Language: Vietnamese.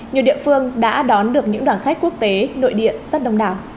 nhiều địa phương đã đón được những đoàn khách quốc tế nội địa rất đông đảo